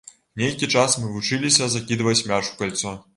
Нейкі час мы вучыліся закідваць мяч у кальцо.